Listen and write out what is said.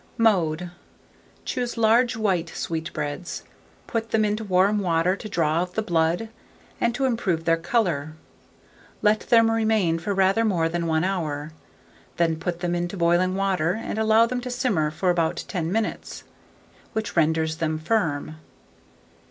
[Illustration: SWEETBREADS.] Mode. Choose large white sweetbreads; put them into warm water to draw out the blood, and to improve their colour; let them remain for rather more than 1 hour; then put them into boiling water, and allow them to simmer for about 10 minutes, which renders them firm.